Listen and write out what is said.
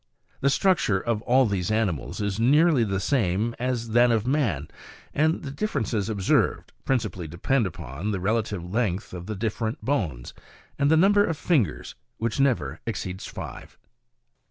The structure of all these animals is nearly the same as that of man, and the differences observed, principally depend upon the relative length of the different bones, and the number of fingers, which never ex ceeds five.